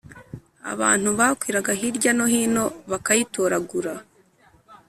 Abantu bakwiraga hirya no hino bakayitoragura